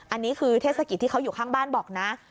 อันนี้คือเทศกิจที่เขาอยู่ข้างบ้านบอกนะ